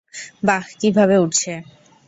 বাহ, কিভাবে উড়ছে।